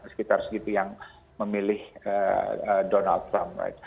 sekitar segitu yang memilih donald trump